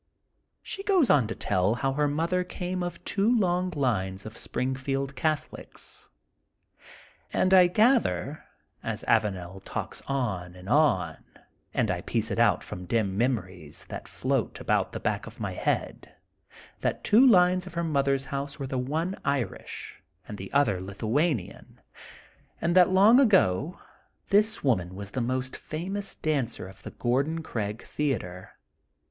She goes on to tell how her mother came of two long lines of Springfield Catholics. And I gather, as Avanel talks on and on, and I piece it out from dim memories that float about the back of my head, that two fines of her mother's house were Ihe one Irish, and the other LithuaDian^ and that long ago this THE GOLDEN BOOK OF SPRINGFIELD 78 woman was the most famous dancer of The Gordon Craig Theatre.